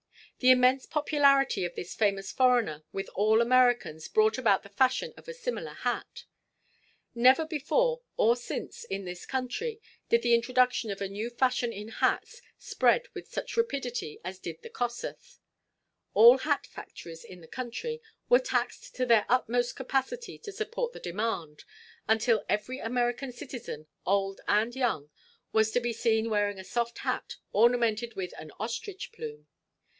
The immense popularity of this famous foreigner with all Americans brought about the fashion of a similar hat. Never before or since in this country did the introduction of a new fashion in hats spread with such rapidity as did the "Kossuth." All hat factories in the country were taxed to their utmost capacity to supply the demand, until every American citizen, old and young, was to be seen wearing a soft hat ornamented with an ostrich plume.